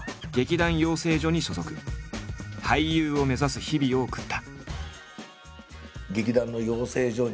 俳優を目指す日々を送った。